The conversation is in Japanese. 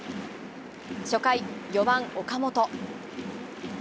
初回、４番岡本。